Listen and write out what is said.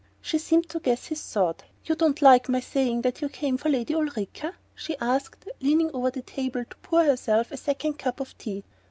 She seemed to guess his thought. "You don't like my saying that you came for Lady Ulrica?" she asked, leaning over the table to pour herself a second cup of tea.